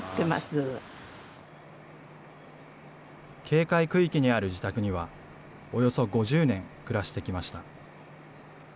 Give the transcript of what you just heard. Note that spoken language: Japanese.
警戒区域にある自宅には、およそ５０年暮らしてきました。